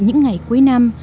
những ngày cuối năm